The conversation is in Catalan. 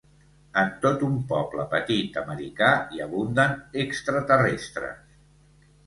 En tot un poble petit americà hi abunden extraterrestres.